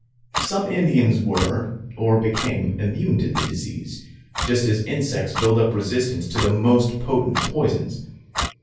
Some Indians were, or became, immune to the disease, just as insects build up resistance to the most potent poisons.